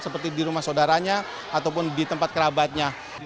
seperti di rumah saudaranya ataupun di tempat kerabatnya